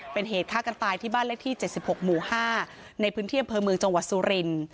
เป็นเหตุฆ่ากันตายที่บ้านเลขที่๗๖หมู่๕ในพื้นที่อำเภอเมืองจังหวัดสุรินทร์